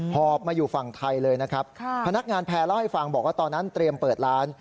หอบมาอยู่ฝั่งไทยเลยนะครับพนักงานแพร่เล่าให้ฟังบอกว่าตอนนั้นเตรียมเปิดร้าน